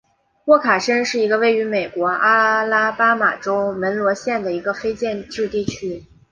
沃卡申是一个位于美国阿拉巴马州门罗县的非建制地区。